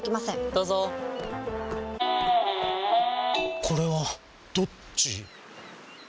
どうぞこれはどっち？